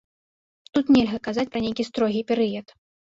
Тут нельга казаць пра нейкі строгі перыяд.